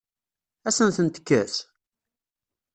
Ad asen-ten-tekkes?